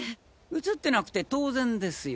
写ってなくて当然ですよ。